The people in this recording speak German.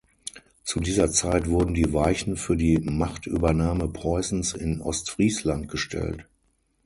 Zu dieser Zeit wurden die Weichen für die Machtübernahme Preußens in Ostfriesland gestellt.